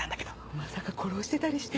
まさか殺してたりして。